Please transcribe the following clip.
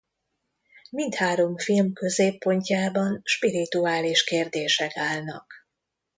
Mindhárom film középpontjában spirituális kérdések állnak.